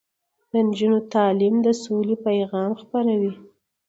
د نجونو تعلیم د سولې پیغام خپروي.